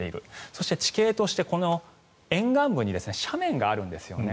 そして、地形として沿岸部に斜面があるんですよね。